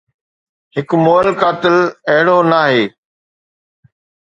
هڪ مئل قاتل اهڙو ناهي